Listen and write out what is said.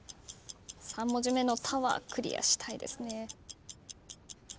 ３文字目の「た」はクリアしたいですね。